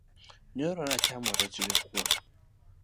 Nyoro ne achamo rech gi kuwon